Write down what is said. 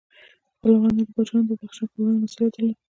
خپلوانو د پاچا د دې بخشش په وړاندې مسؤلیت درلود.